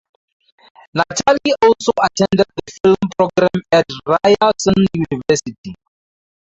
Natali also attended the film programme at Ryerson University.